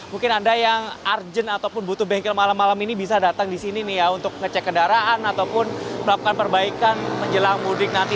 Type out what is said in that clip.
mungkin anda yang urgent ataupun butuh bengkel malam malam ini bisa datang di sini nih ya untuk ngecek kendaraan ataupun melakukan perbaikan menjelang mudik nanti